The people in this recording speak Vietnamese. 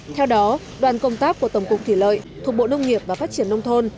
theo đó đoàn công tác của tổng cục thủy lợi thuộc bộ nông nghiệp và phát triển nông thôn